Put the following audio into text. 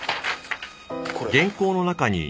これ。